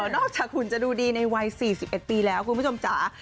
นอกจากหุ่นจะดูดีในวัย๔๑ปีแล้วคุณผู้ชมจ๋า